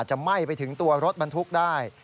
จนอาจจะไหม้ไปถึงตรงรถบรรทุกได้